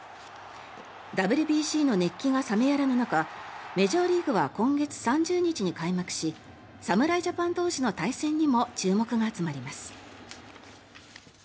ＷＢＣの熱気が冷めやらぬ中メジャーリーグは今月３０日に開幕し侍ジャパン同士の対戦にも注目が集まります。